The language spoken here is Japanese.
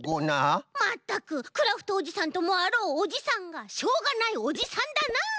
まったくクラフトおじさんともあろうおじさんがしょうがないおじさんだなあ！